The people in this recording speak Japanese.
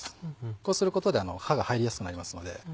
こうすることで刃が入りやすくなりますので。